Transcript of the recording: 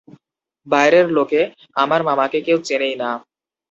বাইরের লোকে আমার মামাকে কেউ চেনেই না।